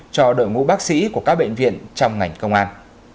cho đội ngũ bác sĩ của các bệnh viện trong ngành công an